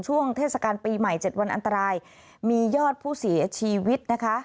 ช่วงเทศกาลปีใหม่๗วันอันตรายมียอดผู้เสียชีวิตนะคะ